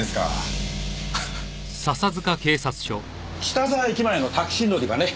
北沢駅前のタクシー乗り場ね。